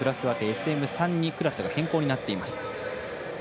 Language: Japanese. ＳＭ３にクラスが変更になっています。